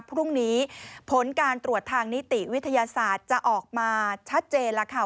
พรุ่งนี้ผลการตรวจทางนิติวิทยาศาสตร์จะออกมาชัดเจนแล้วค่ะ